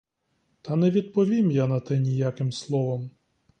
Та не відповім я на те ніяким словом.